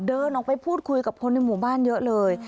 เดินออกไปพูดคุยกับคนในหมู่บ้านเยอะเลย